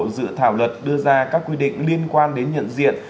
dự thảo luật đưa ra các quy định liên quan đến nhận diện